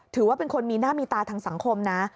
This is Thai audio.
ถือว่าเป็นคนมีหน้ามีตาทางสังคมนะ